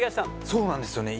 そうなんですよね。